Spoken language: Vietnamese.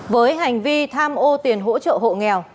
với hành vi tham ô tiền hỗ trợ hộ nghèo